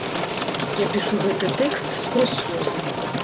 Я пішу гэты тэкст скрозь слёзы.